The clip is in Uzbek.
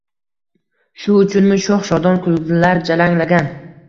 Shu uchunmi shoʻx-shodon kulgular jaranglagan